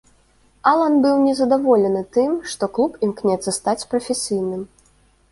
Алан быў не задаволены тым, што клуб імкнецца стаць прафесійным.